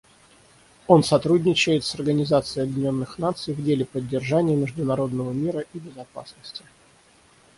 Он сотрудничает с Организацией Объединенных Наций в деле поддержания международного мира и безопасности.